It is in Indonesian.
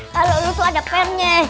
kalau lu tuh ada pennya